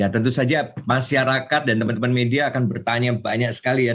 tentu saja masyarakat dan teman teman media akan bertanya banyak sekali ya